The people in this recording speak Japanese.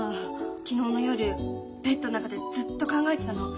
昨日の夜ベッドの中でずっと考えてたの。